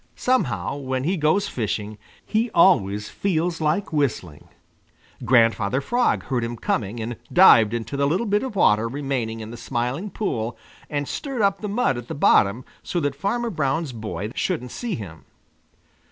Somehow, when he goes fishing, he always feels like whistling. Grandfather Frog heard him coming and dived into the little bit of water remaining in the Smiling Pool and stirred up the mud at the bottom so that Farmer Brown's boy shouldn't see him.